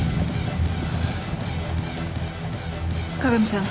加賀美さん